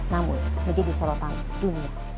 namun menjadi sorotan dunia